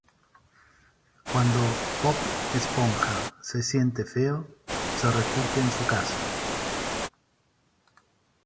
Cuando Bob Esponja se siente feo, se refugia en su casa.